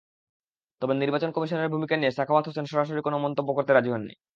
তবে নির্বাচন কমিশনের ভূমিকা নিয়ে সাখাওয়াত হোসেন সরাসরি কোনো মন্তব্য করতে রাজি হননি।